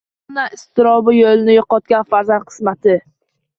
Ota-ona iztirobi, yo‘lini yo‘qotgan farzand qismati